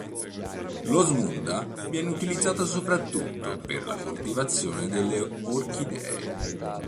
L'osmunda viene utilizzato soprattutto per la coltivazione delle orchidee.